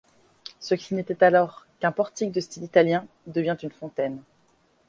Ce qui n'était alors qu'un portique de style italien devient une fontaine.